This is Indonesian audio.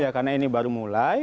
karena ini baru mulai